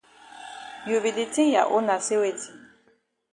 You be di tink ya own na say weti?